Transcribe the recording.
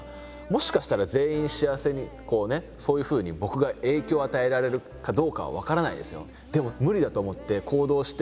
もしかしたら全員幸せにそういうふうに僕が影響を与えられるかどうかは分からないですよ。